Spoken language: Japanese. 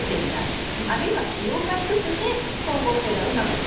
あるいは気温が低くて光合成がうまく働かない。